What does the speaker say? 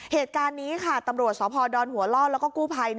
เหตุการณ์นี้ค่ะตำรวจสพดอนหัวล่อแล้วก็กู้ภัย